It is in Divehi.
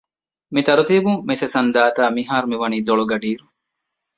މި ތަރުތީބުން މި ސެޝަން ދާތާ މިހާރު މިވަނީ ދޮޅު ގަޑިއިރު